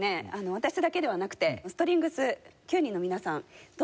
私だけではなくてストリングス９人の皆さんと一緒にやるんですよね。